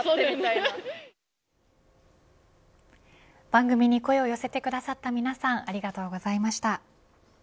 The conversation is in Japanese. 番組に声を寄せてくださった皆さんありがとうございました。